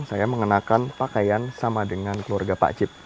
saya mengenakan pakaian sama dengan keluarga pak cip